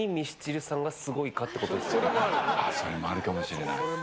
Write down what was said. それもあるかもしれない。